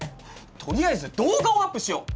とりあえず動画をアップしよう。